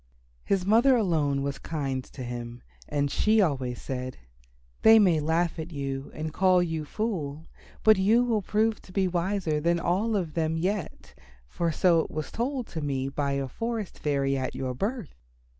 His mother alone was kind to him and she always said, "They may laugh at you and call you fool, but you will prove to be wiser than all of them yet, for so it was told me by a forest fairy at your birth."